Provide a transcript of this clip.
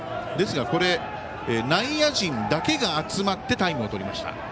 内野陣だけが集まってタイムを取りました。